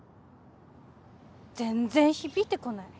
全然響いてこない。